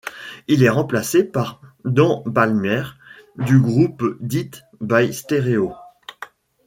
Il est remplacé par Dan Palmer, du groupe Death by Stereo.